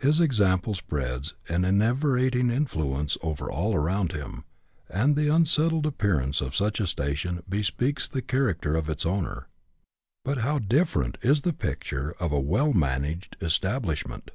His example spreads an enervating influence over all around him, and the un settled appearance of such a station bespeaks the character of its owner. But how different is the picture of a well managed establishment